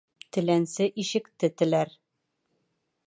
Теләнсе ишекте теләр